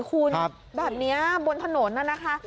คุณแบบนี้บนถนนน่ะนะคะ